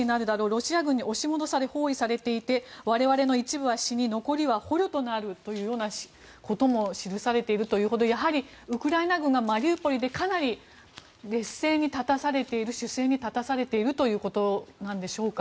ロシア軍に押し戻され包囲されていて我々の一部は死に残りは捕虜になるということも記されているというほどウクライナ軍がマリウポリでかなり劣勢に立たされている守勢に立たされているということなんでしょうか。